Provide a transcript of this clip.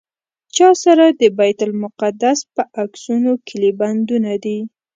چا سره د بیت المقدس په عکسونو کیلي بندونه دي.